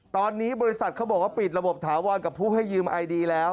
ตอนนี้บริษัทเขาบอกว่าปิดระบบถาวรกับผู้ให้ยืมไอดีแล้ว